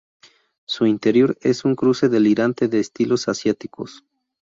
Su interior es un cruce delirante de estilos asiáticos.